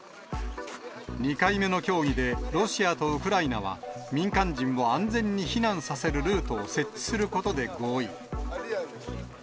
２回目の協議で、ロシアとウクライナは民間人を安全に避難させるルートを設置することで合意。